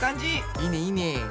いいねいいね。